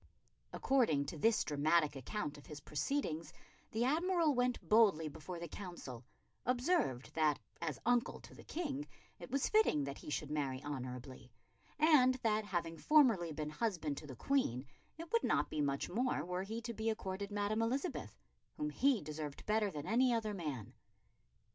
According to this dramatic account of his proceedings, the Admiral went boldly before the Council; observed that, as uncle to the King, it was fitting that he should marry honourably; and that, having formerly been husband to the Queen, it would not be much more were he to be accorded Madam Elizabeth, whom he deserved better than any other man.